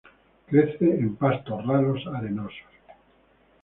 Crece en pastos ralos arenosos.